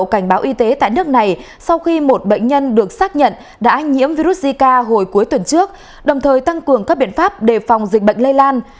cảnh báo y tế tại nước này sau khi một bệnh nhân được xác nhận đã nhiễm virus zika hồi cuối tuần trước đồng thời tăng cường các biện pháp đề phòng dịch bệnh lây lan